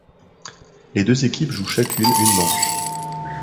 Les deux équipes jouent chacune une manche.